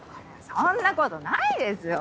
そんなことないですよ。